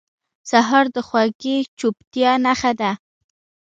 سهار د خوږې چوپتیا نښه ده.